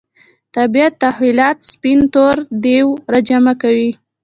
طبیعت تحولات سپین تور دېو راجع کوي.